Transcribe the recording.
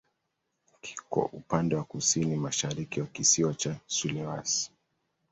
Kiko upande wa kusini-mashariki wa kisiwa cha Sulawesi.